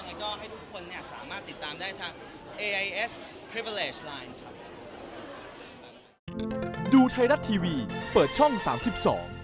มีทุกเดือนเลยครับ